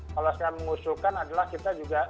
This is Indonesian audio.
kalau saya mengusulkan adalah kita juga